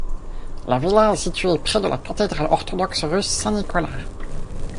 La villa est située près de la cathédrale orthodoxe russe Saint-Nicolas.